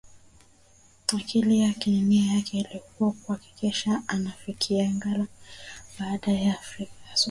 Akili yake na nia yake ilikuwa ni kuhakikisha anafika ngara kabla ya asubuhi